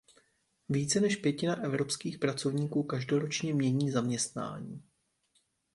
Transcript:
Více než pětina evropských pracovníků každoročně mění zaměstnání.